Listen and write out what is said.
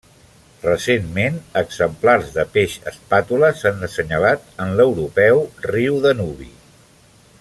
Recentment, exemplars de peix espàtula s'han assenyalat en l'europeu riu Danubi.